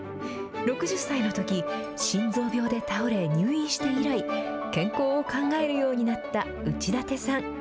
６０歳のとき、心臓病で倒れ入院して以来、健康を考えるようになった内館さん。